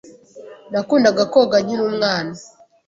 Nakundaga koga nkiri umwana.